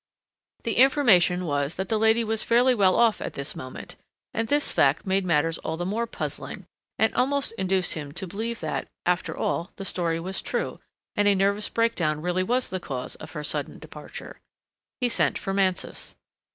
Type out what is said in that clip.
The information was that the lady was fairly well off at this moment, and this fact made matters all the more puzzling and almost induced him to believe that, after all, the story was true, and a nervous breakdown really was the cause of her sudden departure. He sent for Mansus.